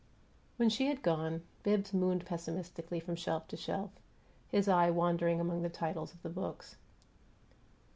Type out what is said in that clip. When she had gone, Bibbs mooned pessimistically from shelf to shelf, his eye wandering among the titles of the books.